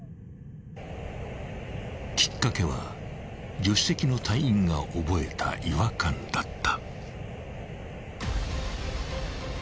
［きっかけは助手席の隊員が覚えた違和感だった］